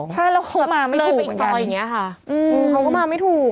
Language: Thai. ใช่แล้วเขาก็มาไม่ถูกเหมือนกัน